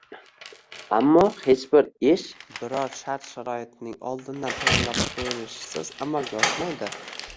Ammo hech bir ish biror shart-sharoitning oldindan tayyorlab qo’yilishisiz amalga oshmaydi